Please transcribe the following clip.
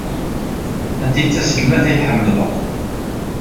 Anta ay d taselmadt ay tḥemmled akk?